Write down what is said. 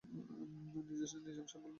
নিজাম সাহেব বললেন, কিছু বলবি?